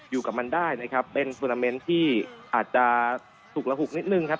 อยู่กับมันได้นะครับเป็นทวนาเมนต์ที่อาจจะฉุกระหุกนิดนึงครับ